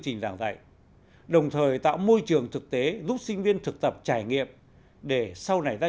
trình giảng dạy đồng thời tạo môi trường thực tế giúp sinh viên thực tập trải nghiệm để sau này ra